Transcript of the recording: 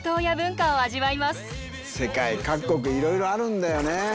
世界各国いろいろあるんだよね。